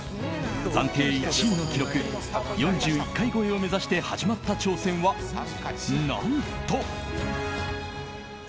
暫定１位の記録４１回超えを目指して始まった挑戦は、何と。